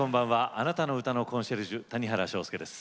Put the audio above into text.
あなたの歌のコンシェルジュ谷原章介です。